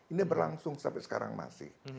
ini berlangsung sampai sekarang masih